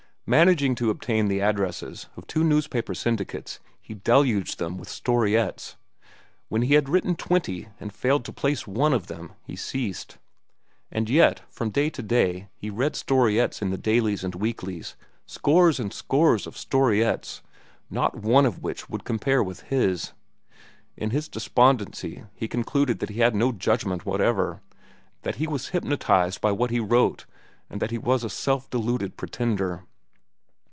Managing to obtain the addresses of two newspaper syndicates, he deluged them with storiettes. When he had written twenty and failed to place one of them, he ceased. And yet, from day to day, he read storiettes in the dailies and weeklies, scores and scores of storiettes, not one of which would compare with his. In his despondency, he concluded that he had no judgment whatever, that he was hypnotized by what he wrote, and that he was a self deluded pretender.